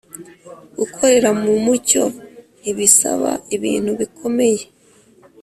Gukorera mu mucyo ntibisaba ibintu bikomeye.